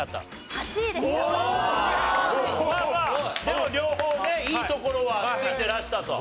でも両方ねいい所は突いてらしたと。